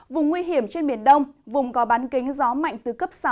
vùng nguy hiểm trên biển đông vùng có bán kính gió mạnh từ cấp sáu